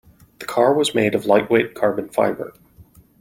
The car was made of lightweight Carbon Fibre.